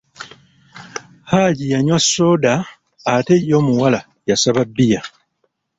Haji yanywa sooda ate ye omuwala yasaba bbiya.